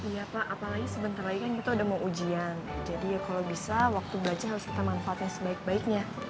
iya pak apalagi sebentar lagi kan kita udah mau ujian jadi ya kalau bisa waktu baca harus kita manfaatin sebaik baiknya